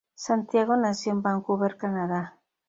Santiago nació en Vancouver, Canadá.